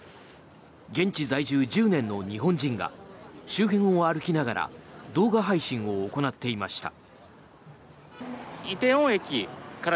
現地在住１０年の日本人が周辺を歩きながら動画配信を行っていました。